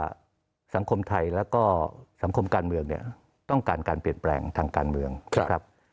สังคมไทยแล้วก็สังคมการเมืองเนี่ยต้องการการเปลี่ยนแปลงทางการเมืองครับ